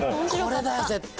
これだよ絶対。